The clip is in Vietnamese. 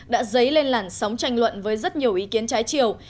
đã dấy lên làn sóng tranh luận với rất nhiều ý kiến trái chiều